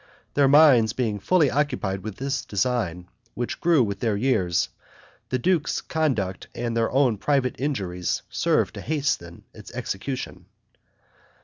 Their minds being fully occupied with this design, which grew with their years, the duke's conduct and their own private injuries served to hasten its execution.